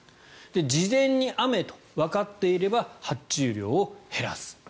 事前に雨とわかっていれば発注量を減らす。